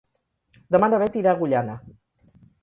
Demà na Beth irà a Agullana.